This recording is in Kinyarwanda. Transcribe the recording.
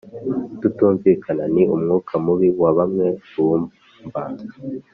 tutumvikana ni umwuka mubi wa bamwe bumva